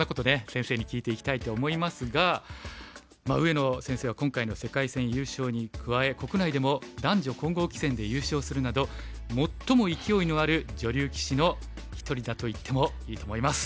先生に聞いていきたいと思いますが上野先生は今回の世界戦優勝に加え国内でも男女混合棋戦で優勝するなど最も勢いのある女流棋士の一人だと言ってもいいと思います。